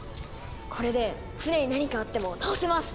これで船に何かあっても直せます！